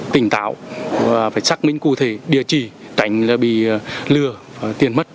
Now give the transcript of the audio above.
tỉnh tạo và phải xác minh cụ thể địa chỉ tảnh là bị lừa tiền mất